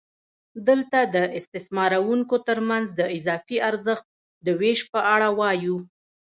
دلته د استثماروونکو ترمنځ د اضافي ارزښت د وېش په اړه وایو